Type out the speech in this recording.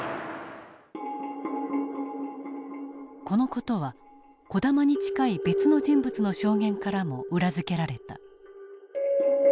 この事は児玉に近い別の人物の証言からも裏付けられた。